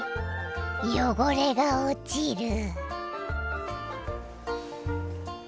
汚れが落ちる！